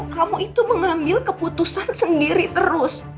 kamu itu mengambil keputusan sendiri terus